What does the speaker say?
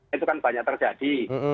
itu kan banyak terjadi